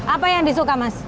apa yang disuka masaknya